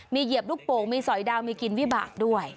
มีเหยียบลูกโป่งมีสอยดาวมีกินวิบากด้วย